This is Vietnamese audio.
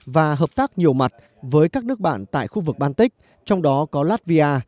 và hợp tác nhiều mặt với các nước bạn tại khu vực baltic trong đó có latvia